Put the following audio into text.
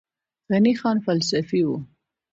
غني خان فلسفي و